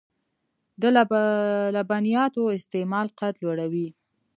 د لبنیاتو استعمال قد لوړوي .